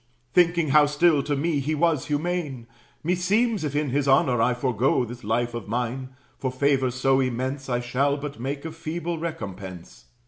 Thinking how still to me he was humane, Meseems, if in his honor I forego This life of mine, for favors so immense I shall but make a feeble recompense.